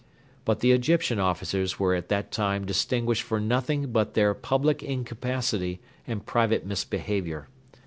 But the Egyptian officers were at that time distinguished for nothing but their public incapacity and private misbehaviour.